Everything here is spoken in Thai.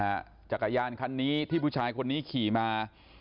จักรยานคันนี้ที่ผู้ชายคนนี้ขี่มา